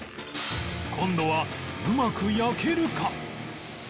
今度はうまく焼けるか？